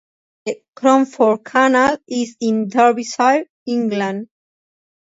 The Cromford canal is in Derbyshire, England.